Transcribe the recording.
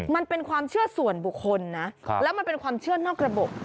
มันเป็นความเชื่อส่วนบุคคลนะแล้วมันเป็นความเชื่อนอกระบบ